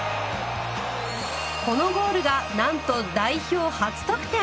このゴールがなんと代表初得点。